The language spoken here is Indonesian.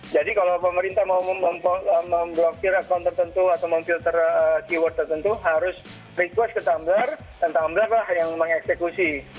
jadi kalau pemerintah mau memblokir account tertentu atau memfilter keyword tertentu harus request ke tumbler dan tumbler lah yang mengeksekusi